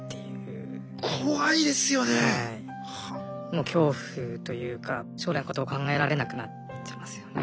もう恐怖というか将来のことを考えられなくなってますよね。